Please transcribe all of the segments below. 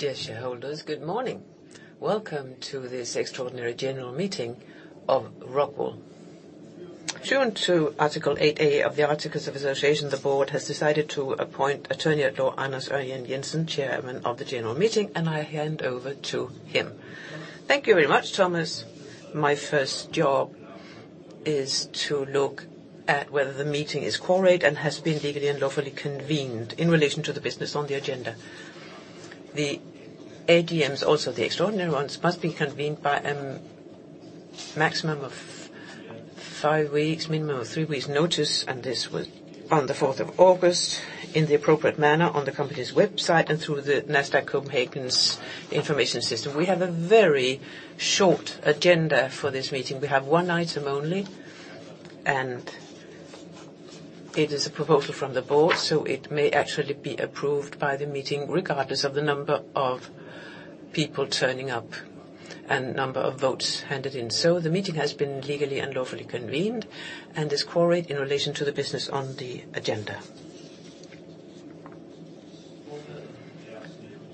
Dear shareholders, good morning. Welcome to this extraordinary general meeting of ROCKWOOL. Pursuant to Article 8 A of the Articles of Association. The board has decided to appoint Attorney at Law Anders Ørjan Jensen, Chairman of the general meeting, and I hand over to him. Thank you very much, Thomas. My first job is to look at whether the meeting is quorate and has been legally and lawfully convened in relation to the business on the agenda. The AGMs, also the extraordinary ones, must be convened with a maximum of 5 weeks, minimum of 3 weeks notice, and this was on the fourth of August in the appropriate manner on the company's website and through the Nasdaq Copenhagen's information system. We have a very short agenda for this meeting. We have one item only, and it is a proposal from the board, so it may actually be approved by the meeting regardless of the number of people turning up and number of votes handed in. The meeting has been legally and lawfully convened and is quorate in relation to the business on the agenda.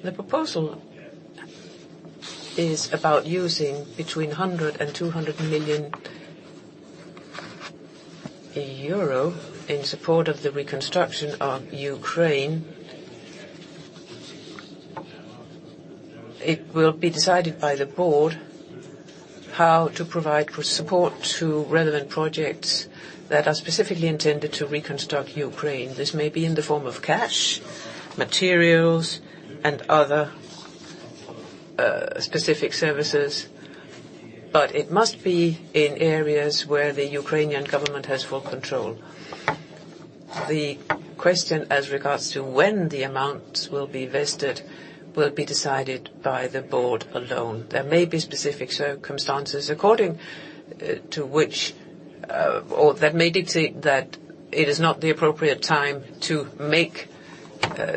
The proposal is about using between 100 million and 200 million in support of the reconstruction of Ukraine. It will be decided by the board how to provide for support to relevant projects that are specifically intended to reconstruct Ukraine. This may be in the form of cash, materials, and other, specific services, but it must be in areas where the Ukrainian government has full control. The question as regards to when the amounts will be vested will be decided by the board alone. There may be specific circumstances according to which or that may dictate that it is not the appropriate time to make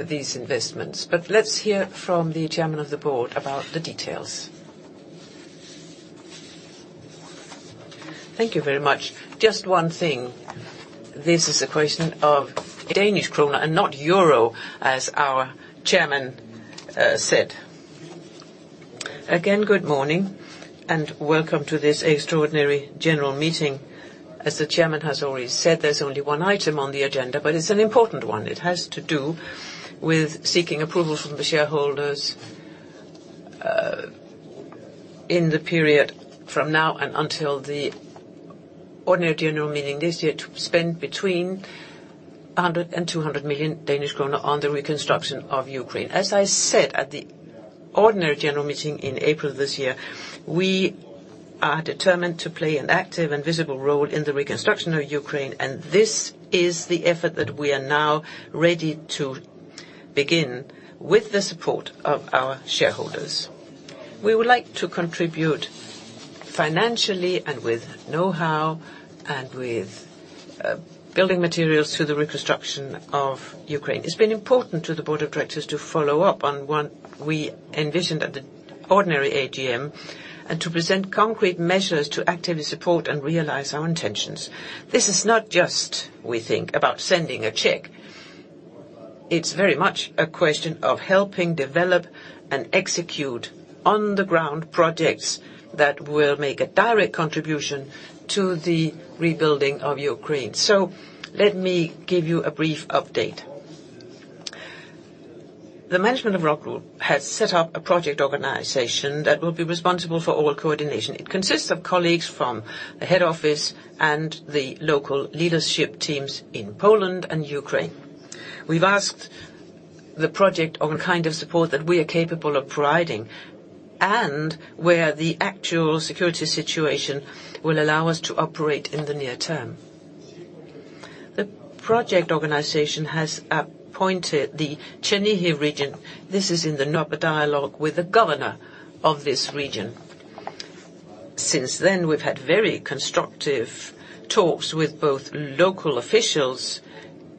these investments. Let's hear from the Chairman of the Board about the details. Thank you very much. Just one thing. This is a question of Danish krona and not euro as our chairman said. Again, good morning and welcome to this extraordinary general meeting. As the Chairman has already said, there's only one item on the agenda, but it's an important one. It has to do with seeking approval from the shareholders in the period from now and until the ordinary general meeting this year to spend between 100 and 200 million Danish kroner on the reconstruction of Ukraine. As I said at the ordinary general meeting in April this year, we are determined to play an active and visible role in the reconstruction of Ukraine, and this is the effort that we are now ready to begin with the support of our shareholders. We would like to contribute financially and with know-how and with building materials through the reconstruction of Ukraine. It's been important to the board of directors to follow up on what we envisioned at the ordinary AGM and to present concrete measures to actively support and realize our intentions. This is not just, we think, about sending a check. It's very much a question of helping develop and execute on-the-ground projects that will make a direct contribution to the rebuilding of Ukraine. Let me give you a brief update. The management of ROCKWOOL has set up a project organization that will be responsible for all coordination. It consists of colleagues from the head office and the local leadership teams in Poland and Ukraine. We've asked the project organization what kind of support that we are capable of providing and where the actual security situation will allow us to operate in the near term. The project organization has appointed the Chernihiv region. This is in close dialogue with the governor of this region. Since then, we've had very constructive talks with both local officials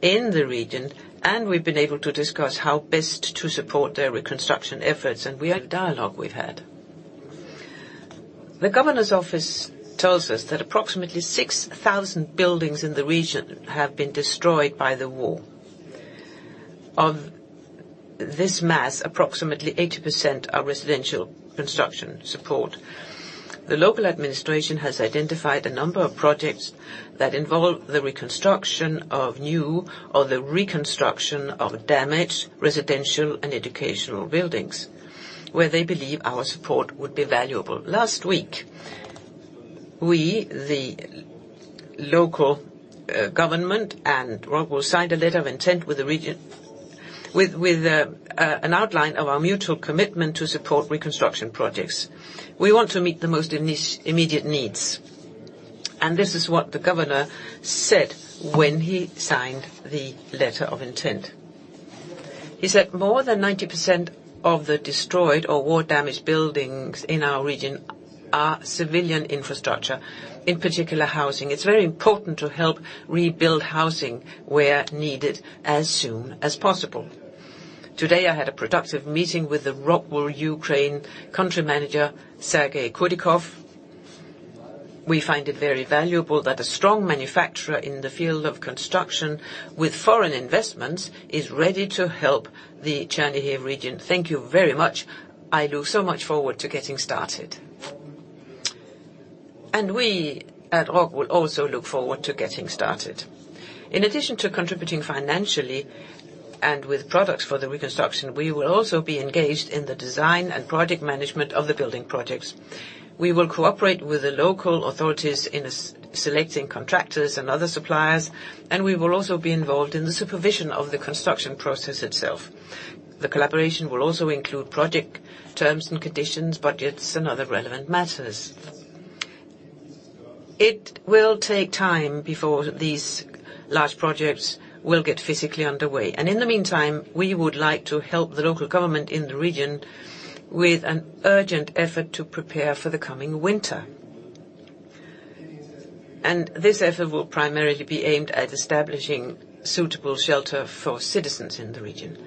in the region, and we've been able to discuss how best to support their reconstruction efforts in the dialogue we've had. The governor's office tells us that approximately 6,000 buildings in the region have been destroyed by the war. Of these, approximately 80% are residential constructions. The local administration has identified a number of projects that involve the reconstruction of new or the reconstruction of damaged residential and educational buildings, where they believe our support would be valuable. Last week, we, the local government and ROCKWOOL signed a letter of intent with the region with an outline of our mutual commitment to support reconstruction projects. We want to meet the most immediate needs, and this is what the governor said when he signed the letter of intent. He said, "More than 90% of the destroyed or war-damaged buildings in our region are civilian infrastructure, in particular, housing. It's very important to help rebuild housing where needed as soon as possible." Today, I had a productive meeting with the ROCKWOOL Ukraine country manager, Sergey Kurdyukov. We find it very valuable that a strong manufacturer in the field of construction with foreign investments is ready to help the Chernihiv region. Thank you very much. I look so much forward to getting started. We at ROCKWOOL also look forward to getting started. In addition to contributing financially and with products for the reconstruction, we will also be engaged in the design and project management of the building projects. We will cooperate with the local authorities in selecting contractors and other suppliers, and we will also be involved in the supervision of the construction process itself. The collaboration will also include project terms and conditions, budgets, and other relevant matters. It will take time before these large projects will get physically underway, and in the meantime, we would like to help the local government in the region with an urgent effort to prepare for the coming winter. This effort will primarily be aimed at establishing suitable shelter for citizens in the region.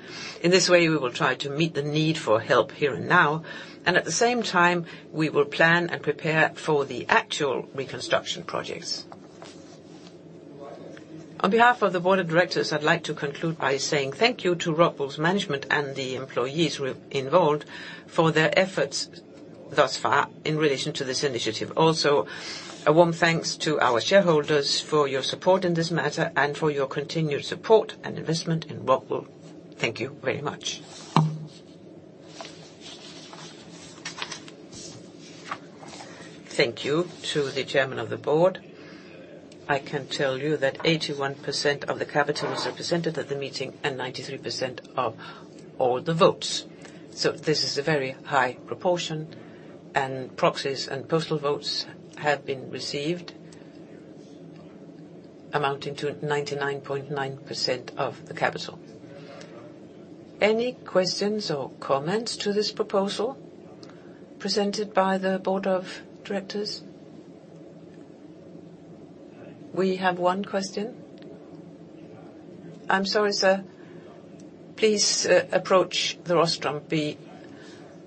In this way, we will try to meet the need for help here and now, and at the same time, we will plan and prepare for the actual reconstruction projects. On behalf of the board of directors, I'd like to conclude by saying thank you to ROCKWOOL's management and the employees involved for their efforts thus far in relation to this initiative. Also, a warm thanks to our shareholders for your support in this matter and for your continued support and investment in ROCKWOOL. Thank you very much. Thank you to the chairman of the board. I can tell you that 81% of the capital was represented at the meeting, and 93% of all the votes. This is a very high proportion, and proxies and postal votes have been received amounting to 99.9% of the capital. Any questions or comments to this proposal presented by the board of directors? We have one question. I'm sorry, sir. Please, approach the rostrum.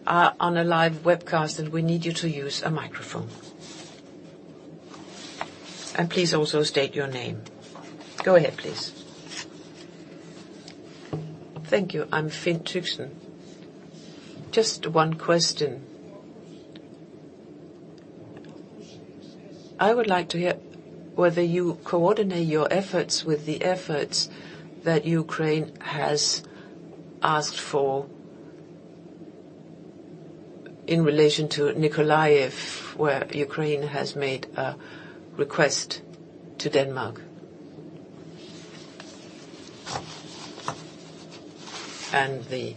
We are on a live webcast, and we need you to use a microphone. Please also state your name. Go ahead, please. Thank you. I'm Finn Tychsen. Just one question. I would like to hear whether you coordinate your efforts with the efforts that Ukraine has asked for in relation to Nikolaev, where Ukraine has made a request to Denmark. The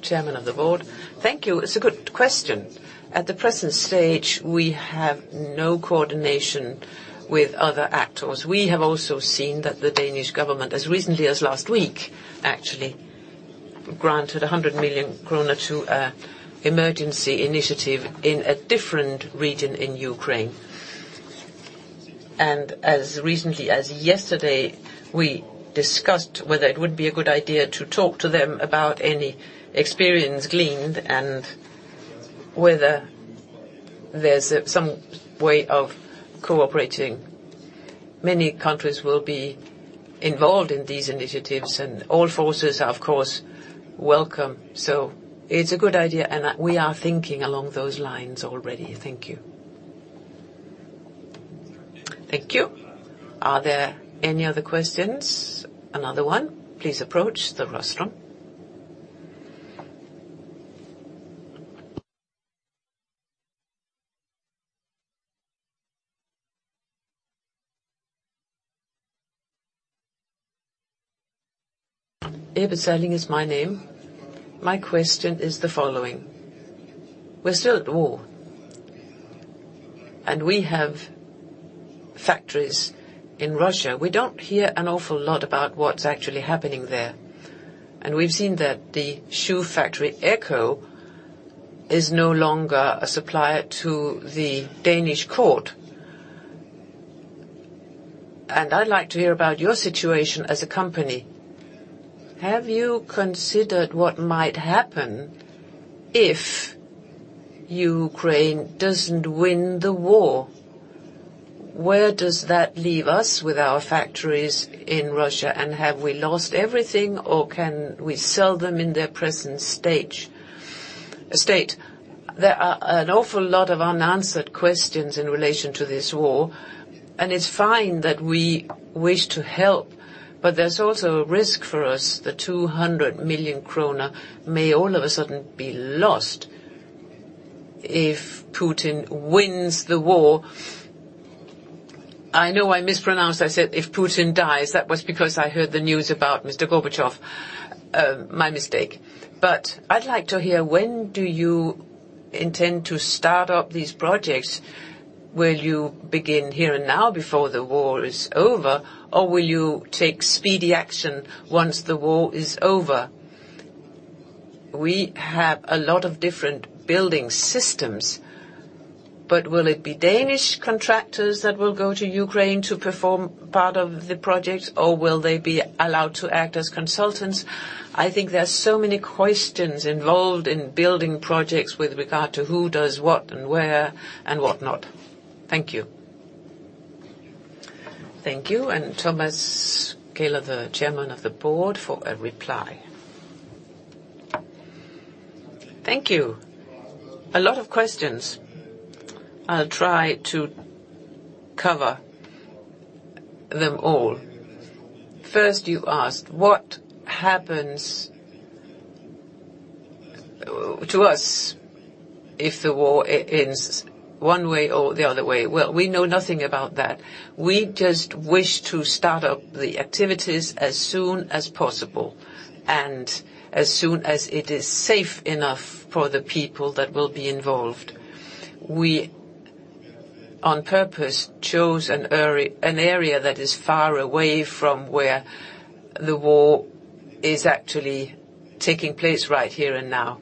chairman of the board. Thank you. It's a good question. At the present stage, we have no coordination with other actors. We have also seen that the Danish government, as recently as last week actually, granted 100 million kroner to an emergency initiative in a different region in Ukraine. As recently as yesterday, we discussed whether it would be a good idea to talk to them about any experience gleaned and whether there's some way of cooperating. Many countries will be involved in these initiatives, and all forces are, of course, welcome. It's a good idea, and we are thinking along those lines already. Thank you. Thank you. Are there any other questions? Another one. Please approach the rostrum. Iben Salin is my name. My question is the following: We're still at war, and we have factories in Russia. We don't hear an awful lot about what's actually happening there, and we've seen that the shoe factory ECCO is no longer a supplier to the Danish court. I'd like to hear about your situation as a company. Have you considered what might happen if Ukraine doesn't win the war? Where does that leave us with our factories in Russia, and have we lost everything, or can we sell them in their present stage, state? There are an awful lot of unanswered questions in relation to this war, and it's fine that we wish to help, but there's also a risk for us. The 200 million kroner may all of a sudden be lost if Putin wins the war. I know I mispronounced. I said, "If Putin dies." That was because I heard the news about Mr. Gorbachev. My mistake. I'd like to hear, when do you intend to start up these projects? Will you begin here and now before the war is over, or will you take speedy action once the war is over? We have a lot of different building systems, but will it be Danish contractors that will go to Ukraine to perform part of the project, or will they be allowed to act as consultants? I think there are so many questions involved in building projects with regard to who does what and where and whatnot. Thank you. Thank you. Thomas Kähler, the Chairman of the Board, for a reply. Thank you. A lot of questions. I'll try to cover them all. First, you asked what happens to us if the war ends one way or the other way. Well, we know nothing about that. We just wish to start up the activities as soon as possible, and as soon as it is safe enough for the people that will be involved. We, on purpose, chose an area that is far away from where the war is actually taking place right here and now.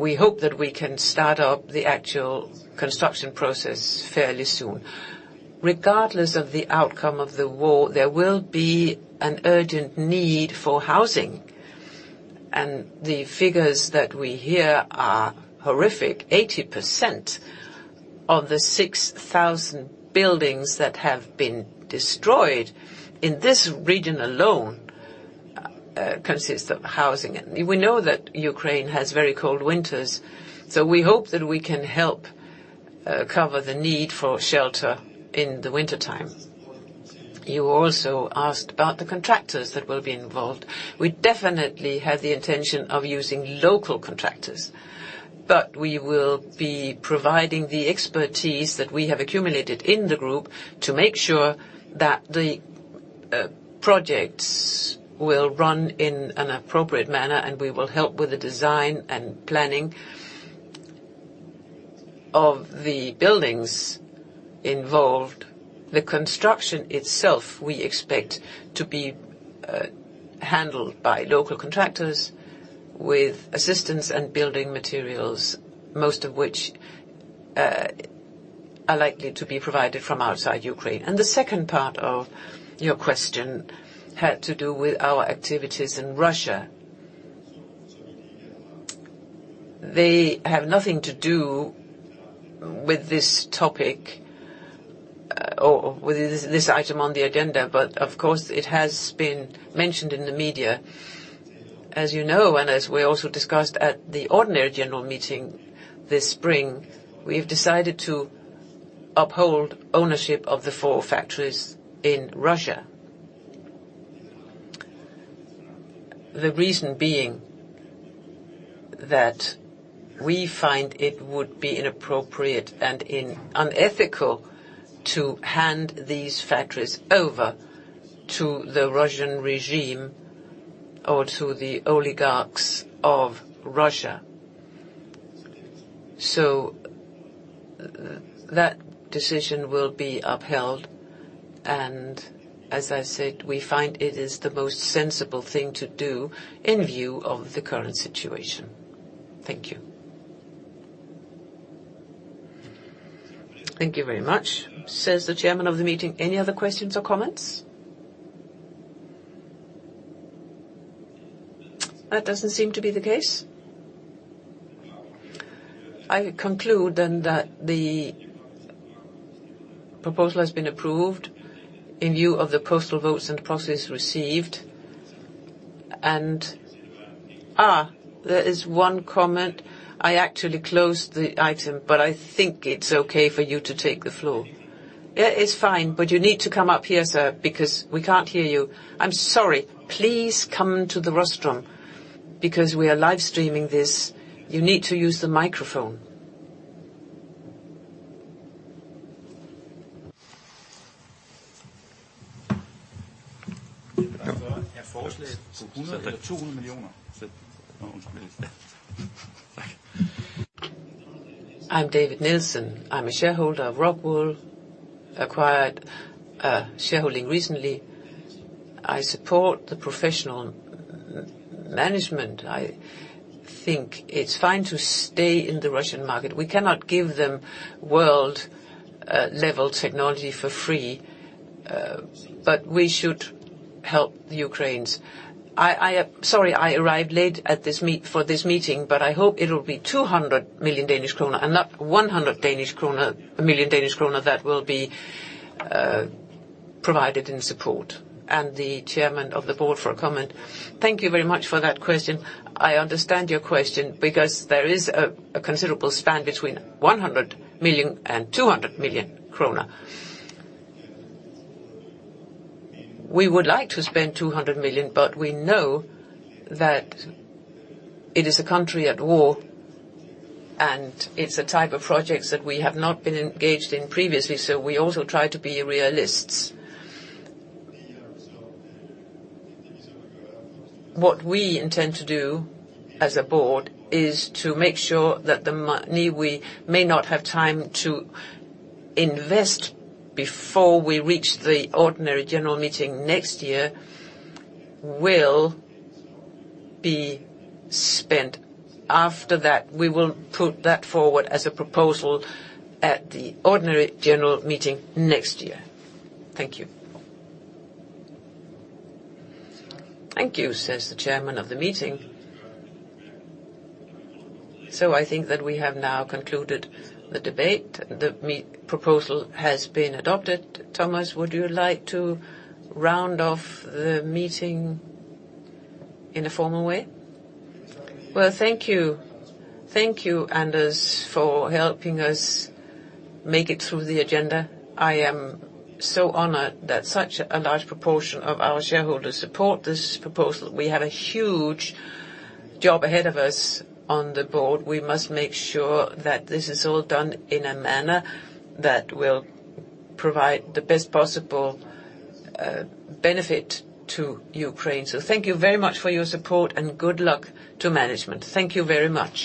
We hope that we can start up the actual construction process fairly soon. Regardless of the outcome of the war, there will be an urgent need for housing. The figures that we hear are horrific. 80% of the 6,000 buildings that have been destroyed in this region alone consists of housing. We know that Ukraine has very cold winters, so we hope that we can help cover the need for shelter in the wintertime. You also asked about the contractors that will be involved. We definitely have the intention of using local contractors, but we will be providing the expertise that we have accumulated in the group to make sure that the projects will run in an appropriate manner, and we will help with the design and planning of the buildings involved. The construction itself, we expect to be handled by local contractors with assistance and building materials, most of which are likely to be provided from outside Ukraine. The second part of your question had to do with our activities in Russia. They have nothing to do with this topic or with this item on the agenda. Of course, it has been mentioned in the media. As you know, and as we also discussed at the ordinary general meeting this spring, we've decided to uphold ownership of the four factories in Russia. The reason being that we find it would be inappropriate and unethical to hand these factories over to the Russian regime or to the oligarchs of Russia. That decision will be upheld. As I said, we find it is the most sensible thing to do in view of the current situation. Thank you. "Thank you very much," says the chairman of the meeting. Any other questions or comments? That doesn't seem to be the case. I conclude then that the proposal has been approved in view of the postal votes and proxies received. There is one comment. I actually closed the item, but I think it's okay for you to take the floor. Yeah, it's fine, but you need to come up here, sir, because we can't hear you. I'm sorry. Please come to the rostrum. Because we are live streaming this, you need to use the microphone. I'm David Nielsen. I'm a shareholder of ROCKWOOL, acquired a shareholding recently. I support the professional management. I think it's fine to stay in the Russian market. We cannot give them world level technology for free, but we should help the Ukraine. Sorry, I arrived late for this meeting, but I hope it'll be 200 million Danish kroner and not 100 million Danish kroner that will be provided in support. The chairman of the board for a comment. Thank you very much for that question. I understand your question because there is a considerable span between 100 million and 200 million krone. We would like to spend 200 million, but we know that it is a country at war, and it's a type of project that we have not been engaged in previously, so we also try to be realists. What we intend to do as a board is to make sure that the money we may not have time to invest before we reach the ordinary general meeting next year will be spent after that. We will put that forward as a proposal at the ordinary general meeting next year. Thank you. "Thank you," says the chairman of the meeting. I think that we have now concluded the debate. The proposal has been adopted. Thomas, would you like to round off the meeting in a formal way? Well, thank you. Thank you, Anders, for helping us make it through the agenda. I am so honored that such a large proportion of our shareholders support this proposal. We have a huge job ahead of us on the board. We must make sure that this is all done in a manner that will provide the best possible benefit to Ukraine. Thank you very much for your support and good luck to management. Thank you very much.